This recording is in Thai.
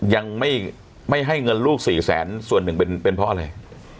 ยังไม่ให้เงินลูกสี่แสนส่วนหนึ่งเป็นเพราะอะไร